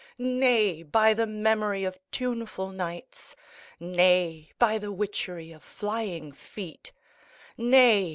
Nay! by the memory of tuneful nightsâ Nay! by the witchery of flying feetâ Nay!